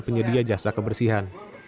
penyedia jasa kebersihan